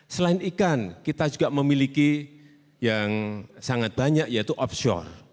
selain ikan kita juga memiliki yang sangat banyak yaitu offshore